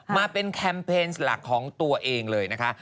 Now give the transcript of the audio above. มาเป็นแคมเปญหลักของตัวเองเลยนะคะ